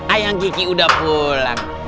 ayang kiki udah pulang